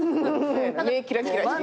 目キラキラして。